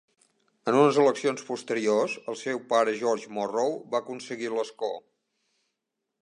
En unes eleccions posteriors, el seu pare George Morrow, va aconseguir l'escó.